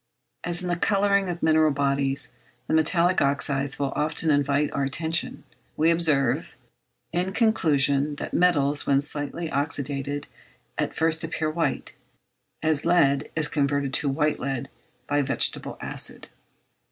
As in the colouring of mineral bodies the metallic oxydes will often invite our attention, we observe, in conclusion, that metals, when slightly oxydated, at first appear white, as lead is converted to white lead by vegetable acid.